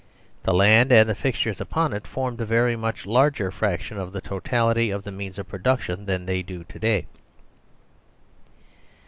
The land and the fixtures upon it formed a very much larger fraction of the totality of the means of produc tion than they do to day.